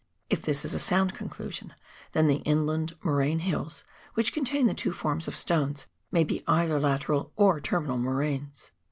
If this is a sound conclusion, then the inland moraine hills, which contain the two forms of stones, may be either lateral or terminal moraines.